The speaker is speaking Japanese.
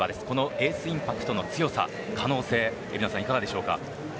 エースインパクトの強さ、可能性いかがでしょうか？